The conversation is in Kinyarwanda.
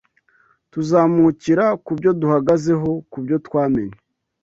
Tuzamukira ku byo duhagazeho Kubyo twamenye